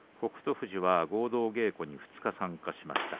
富士は合同稽古に２日参加しました。